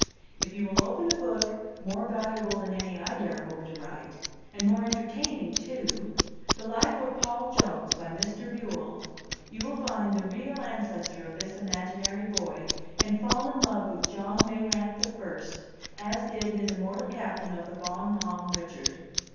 If you will open a book more valuable than any I dare hope to write, and more entertaining too, The Life of Paul Jones, by Mr. Buell, you will find the real ancestor of this imaginary boy, and fall in love with John Mayrant the First, as did his immortal captain of the Bon Homme Richard.